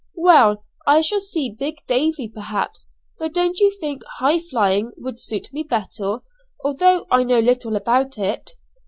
"Well! I shall see big Davey, perhaps, but don't you think 'highflying' would suit me better, although I know little about it?"